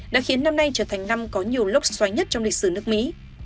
đã khiến năm nay trở thành năm có nhiều lốc xoáy nhất trong lịch sử nước mỹ